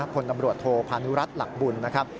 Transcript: คนตำรวจโทพานุรัติหลักบุญนะครับ